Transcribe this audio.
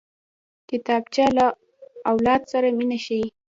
کتابچه له اولاد سره مینه ښيي